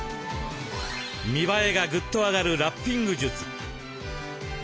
見栄えがグッと上がるラッピング術。